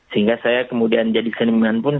sehingga saya kemudian jadi seniman pun